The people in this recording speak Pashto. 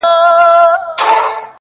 وږی ګرځي خو مغرور لکه پاچا وي -